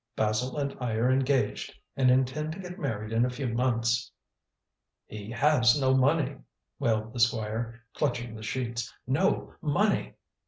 Basil and I are engaged and intend to get married in a few months." "He has no money," wailed the Squire, clutching the sheets; "no money."